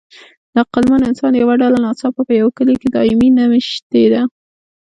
د عقلمن انسان یوه ډله ناڅاپه په یوه کلي کې دایمي نه مېشتېده.